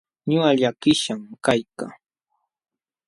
Ñuqa llakishqan kaykaa.